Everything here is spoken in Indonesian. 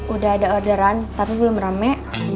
udah ada orderan tapi belum rame